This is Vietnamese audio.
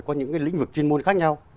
có những cái lĩnh vực chuyên môn khác nhau